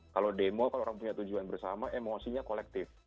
kalau demo kalau orang punya tujuan bersama emosinya kolektif